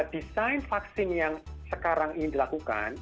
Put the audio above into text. desain vaksin yang sekarang ini dilakukan